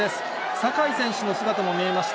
酒井選手の姿も見えました。